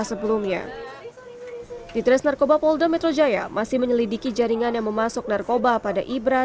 sebelumnya di tres narkoba polda metro jaya masih menyelidiki jaringan yang memasuk narkoba pada ibra